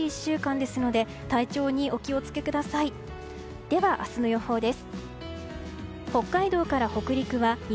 では、明日の予報です。